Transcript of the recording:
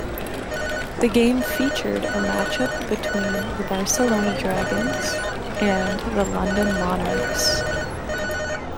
The game featured a matchup between the Barcelona Dragons and the London Monarchs.